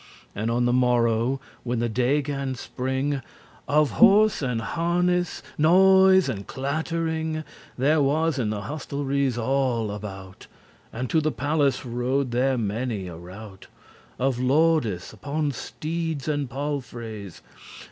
And on the morrow, when the day gan spring, Of horse and harness* noise and clattering *armour There was in the hostelries all about: And to the palace rode there many a rout* *train, retinue Of lordes, upon steedes and palfreys.